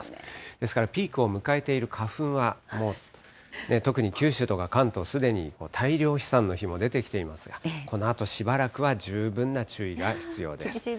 ですから、ピークを迎えている花粉は、もう特に九州とか関東、すでに大量飛散の日も出てきていますが、このあとしばらくは十分な注意が必要です。